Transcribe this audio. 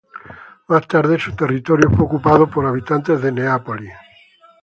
Más tarde su territorio fue ocupado por habitantes de Neápolis.